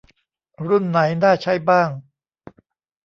รุ่นไหนน่าใช้บ้าง